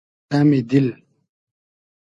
شئمی دیل